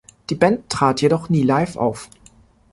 Die Band trat jedoch nie live auf.